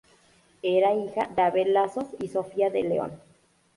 Era hija de Abel Lazos y Sofía de León.